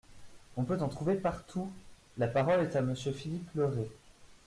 On peut en trouver partout ! La parole est à Monsieur Philippe Le Ray.